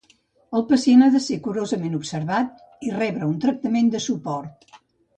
El pacient ha de ser curosament observat i rebre un tractament de suport.